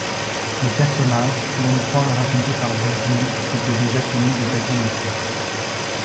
Le personnage, dont l'histoire est racontée par Virgile, était déjà connu de Caton l'Ancien.